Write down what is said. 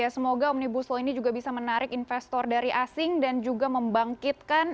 semoga omnibus law ini juga bisa menarik investor dari asing dan juga membangkitkan